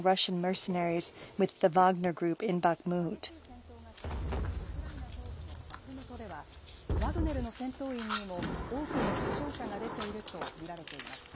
激しい戦闘が続くウクライナ東部のバフムトでは、ワグネルの戦闘員にも多くの死傷者が出ていると見られています。